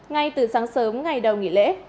ngay từ sáng sớm ngày đầu nghỉ lễ